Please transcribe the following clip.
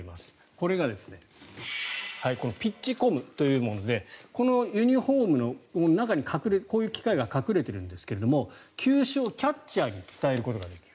これがピッチコムというものでこのユニホームの中にこういう機械が隠れてるんですが球種をキャッチャーに伝えることができる。